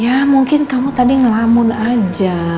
ya mungkin kamu tadi ngelamun aja